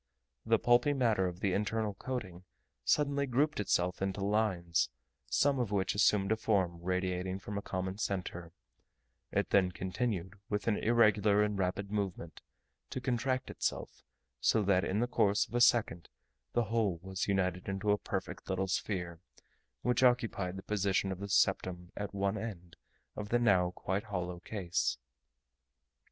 The pulpy matter of the internal coating suddenly grouped itself into lines, some of which assumed a form radiating from a common centre; it then continued, with an irregular and rapid movement, to contract itself, so that in the course of a second the whole was united into a perfect little sphere, which occupied the position of the septum at one end of the now quite hollow case.